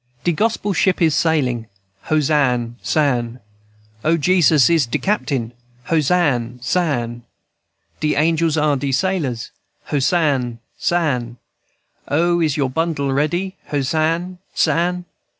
_ "De Gospel ship is sailin', Hosann sann. O, Jesus is de captain, Hosann sann. De angels are de sailors, Hosann sann. O, is your bundle ready? Hosann sann.